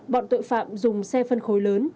bọn tội phạm dùng xe phân khối lớn